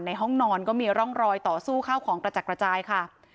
ห้องนอนก็มีร่องรอยต่อสู้ข้าวของกระจัดกระจายค่ะ